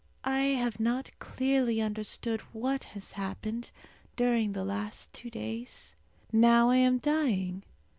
I have not clearly understood what has happened during the last two days. Now I am dying.